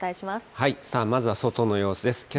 まずは外の様子です。